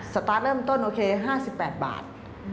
สตาร์ทเริ่มต้นโอเค๕๘บาท